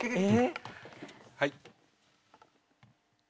はい。